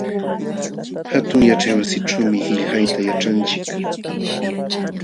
Hatun yaćhaywasićhuumi qillqayta yaćhanchik.